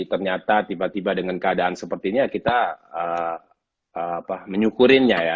ternyata tiba tiba dengan keadaan sepertinya kita menyukurinya ya